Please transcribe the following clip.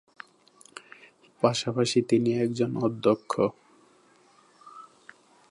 পাশাপাশি তিনি একজন অধ্যক্ষ।